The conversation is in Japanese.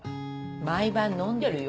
毎晩飲んでるよ。